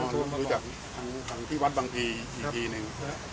อ๋อถึงอีกทีเท่านั้น